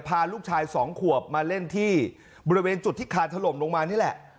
พาลูกชายสองขวบมาเล่นที่บริเวณจุดที่คานถล่มลงมานี่แหละ